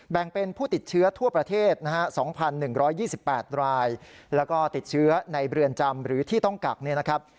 แบ่งเป็นผู้ติดเชื้อทั่วประเทศนะฮะ๒๑๒๘รายแล้วก็ติดเชื้อในเรือนจำหรือที่ต้องกักเนี่ยนะครับ